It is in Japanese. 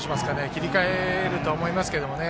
切り替えると思いますけどね。